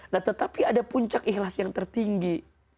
nah tetapi ada puncak ikhlas yang tertinggi